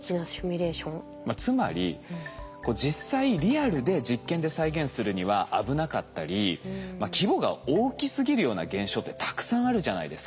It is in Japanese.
つまり実際リアルで実験で再現するには危なかったり規模が大きすぎるような現象ってたくさんあるじゃないですか。